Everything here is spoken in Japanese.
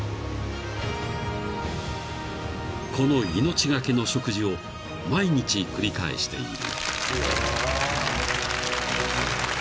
［この命懸けの食事を毎日繰り返している］